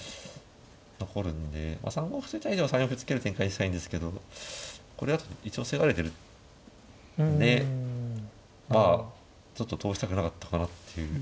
３五歩突いた以上は３四歩突ける展開にしたいんですけどこれだと一応防がれてるんでまあちょっと通したくなかったかなっていう。